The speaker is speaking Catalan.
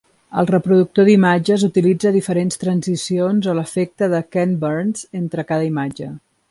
El reproductor d'imatges utilitza diferents transicions o l'efecte de Ken Burns entre cada imatge.